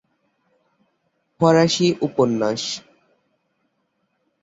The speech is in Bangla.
ফরাসি উপন্যাস।